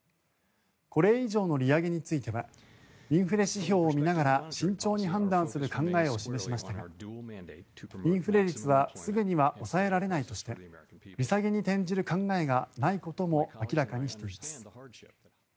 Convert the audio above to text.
これ以上の利上げについてはインフレ指標を見ながら慎重に判断する考えを示しましたがインフレ率はすぐには抑えられないとして利下げに転じる考えないことも明らかにしています。